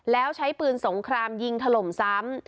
แล้วใช้ปืนสงครามยิงถล่มซ้ำ